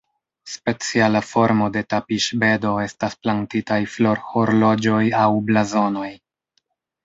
Speciala formo de tapiŝbedo estas plantitaj florhorloĝoj aŭ blazonoj.